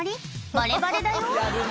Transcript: バレバレだよ